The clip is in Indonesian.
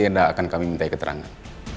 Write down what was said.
ada akan kami minta keterangan